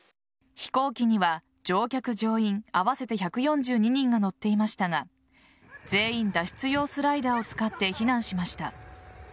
飛行機には乗客・乗員合わせて１４２人が乗っていましたが全員、脱出用スライダーを使って避難しました。